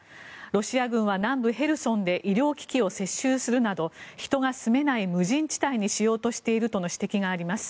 ロシア軍は南部ヘルソンで医療機器を接収するなど人が住めない無人地帯にしようとしているとの指摘があります。